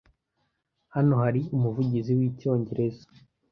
Hano hari umuvugizi wicyongereza?